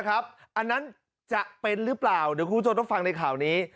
อันนั้นจะเป็นหรือเปล่าเดี๋ยวคุณผู้ชมต้องฟังในข่าวนี้